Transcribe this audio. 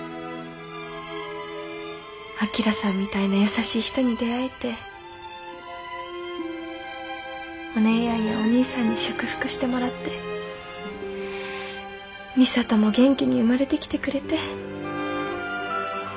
旭さんみたいな優しい人に出会えてお姉やんやお義兄さんに祝福してもらって美里も元気に生まれてきてくれて。